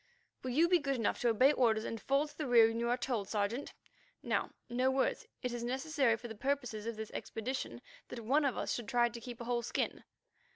"Will you be good enough to obey orders and fall to the rear when you are told, Sergeant? Now, no words. It is necessary for the purposes of this expedition that one of us two should try to keep a whole skin."